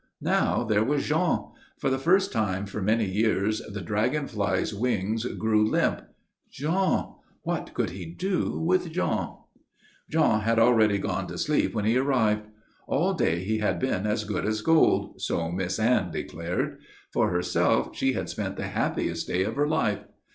Now there was Jean. For the first time for many years the dragon fly's wings grew limp. Jean what could he do with Jean? Jean had already gone to sleep when he arrived. All day he had been as good as gold, so Miss Anne declared. For herself, she had spent the happiest day of her life.